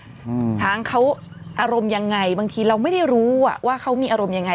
อืมช้างเขาอารมณ์ยังไงบางทีเราไม่ได้รู้อ่ะว่าเขามีอารมณ์ยังไง